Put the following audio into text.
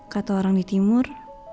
kata orang di timur